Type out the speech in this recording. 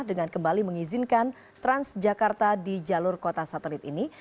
dengan kembali mengizinkan transjakarta di jalur kota satelit ini